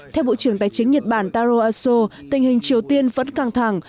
theo bộ trưởng tài chính nhật bản taro aso tình hình triều tiên vẫn căng thẳng